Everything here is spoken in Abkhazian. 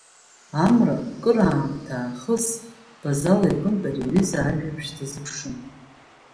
Амра кыр аамҭа аахыс Базала иҟынтә ари аҩыза ажәабжь дазыԥшын.